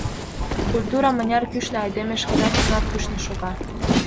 Культура мыняр кӱшнӧ, айдеме шкежат тунар кӱшнӧ шога.